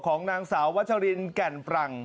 ของท่านหนูวจริงกัลฟรัง